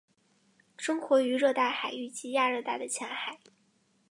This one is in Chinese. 生活于热带海域及亚热带的浅海。